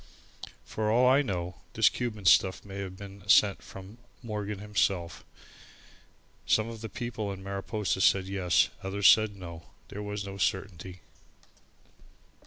For all I know, this Cuban stuff may have been sent from Morgan himself. Some of the people in Mariposa said yes, others said no. There was no certainty.